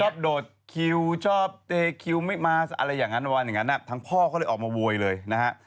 โดดคิวชอบเทคิวไม่มาอะไรอย่างนั้นประมาณอย่างนั้นทางพ่อก็เลยออกมาโวยเลยนะฮะ